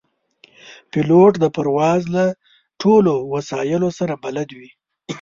پیلوټ د پرواز له ټولو وسایلو سره بلد وي.